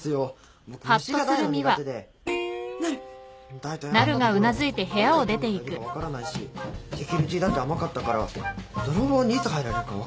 だいたいあんなところどんな生き物がいるか分からないしセキュリティーだって甘かったから泥棒にいつ入られるか分からないし。